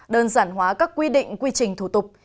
đơn giản hóa các quy định quy trình thủ tục